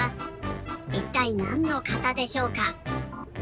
いったいなんの型でしょうか？